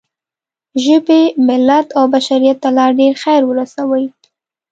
ژبې، ملت او بشریت ته لا ډېر خیر ورسوئ.